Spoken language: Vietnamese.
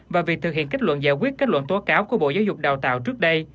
và việc thực hiện kết luận giải quyết kết luận tố cáo của bộ giáo dục đào tạo trước đây